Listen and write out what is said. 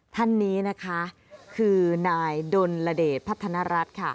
ท่านนี้นะคะคือนายดนระเดชพัฒนรัฐค่ะ